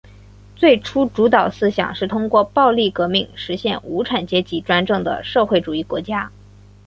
最初主导思想是通过暴力革命实现无产阶级专政的社会主义国家。